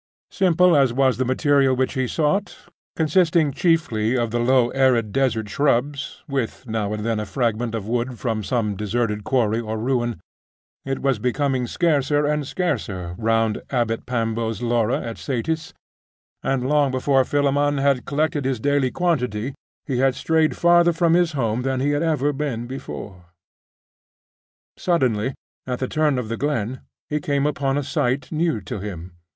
Simple as was the material which he sought, consisting chiefly of the low arid desert shrubs, with now and then a fragment of wood from some deserted quarry or ruin, it was becoming scarcer and scarcer round Abbot Pambo's Laura at Scetis; and long before Philammon had collected his daily quantity, he had strayed farther from his home than he had ever been before. Suddenly, at a turn of the glen, he came upon a sight new to him....